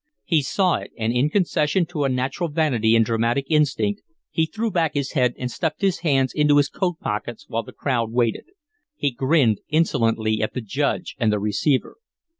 He saw it, and in concession to a natural vanity and dramatic instinct, he threw back his head and stuffed his hands into his coat pockets while the crowd waited. He grinned insolently at the Judge and the receiver.